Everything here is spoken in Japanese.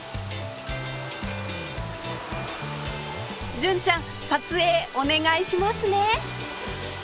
純ちゃん撮影お願いしますね